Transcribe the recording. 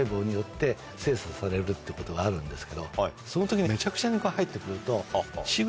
されるってことがあるんですけどその時めちゃくちゃに入って来ると。